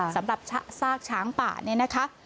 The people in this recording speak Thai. สำหรับซากช้างป่าเนี่ยนะคะ